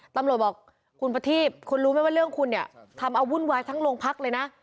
ตำรวจบอกคุณประทีบคุณรู้ไหมว่าเรื่องคุณเนี่ยทำเอาวุ่นวายทั้งโรงพักเลยนะ